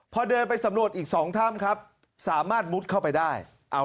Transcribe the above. พอเดินไปสำรวจอีก๒ถ้ำครับสามารถมุดเข้าไปได้